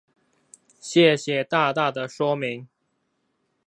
謝謝大大的說明